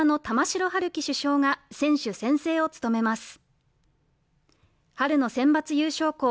城陽希主将が選手宣誓を務めます。